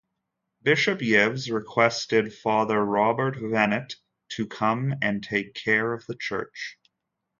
Bishop Yves requested Father Robert Venet to come and take care of the church.